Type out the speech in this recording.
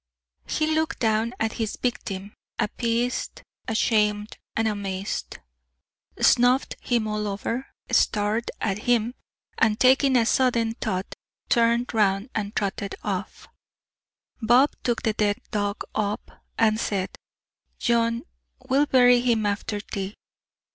He looked down at his victim appeased, ashamed and amazed; snuffed him all over, stared at him, and taking a sudden thought, turned round and trotted off. Bob took the dead dog up, and said, "John, we'll bury him after tea."